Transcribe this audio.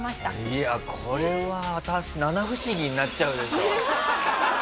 いやこれは七不思議になっちゃうでしょ。